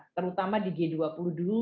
terutama di g dua puluh dulu